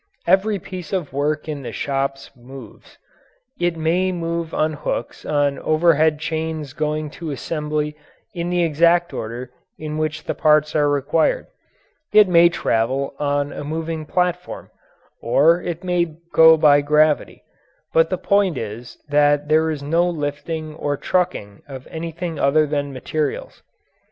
Every piece of work in the shops moves; it may move on hooks on overhead chains going to assembly in the exact order in which the parts are required; it may travel on a moving platform, or it may go by gravity, but the point is that there is no lifting or trucking of anything other than materials.